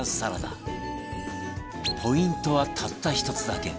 ポイントはたった一つだけ